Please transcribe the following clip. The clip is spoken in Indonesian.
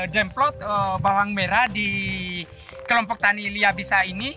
demplot bawang merah di kelompok tani liabisa ini